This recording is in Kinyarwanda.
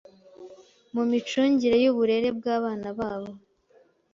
mumicungire yuburere bwabana babo